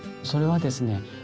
それはですね